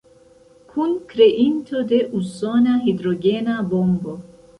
Kunkreinto de usona hidrogena bombo.